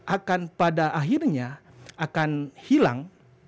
akan pada akhirnya akan hilang